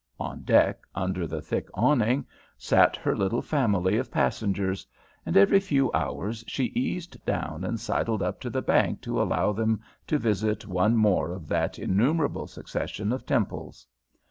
On deck, under the thick awning, sat her little family of passengers, and every few hours she eased down and sidled up to the bank to allow them to visit one more of that innumerable succession of temples.